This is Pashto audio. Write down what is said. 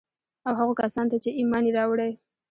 او هغو کسان ته چي ايمان ئې راوړى